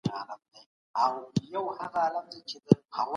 ماشومان د پوهي تږي وي.